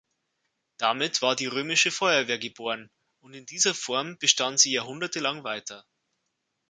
Damit war die römische Feuerwehr geboren, und in dieser Form bestand sie jahrhundertelang weiter.